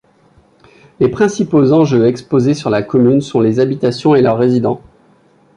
Les principaux enjeux exposés sur la commune sont les habitations et leurs résidents.